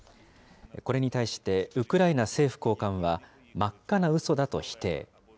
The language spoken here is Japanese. これに対して、ウクライナ政府高官は真っ赤なうそだと否定。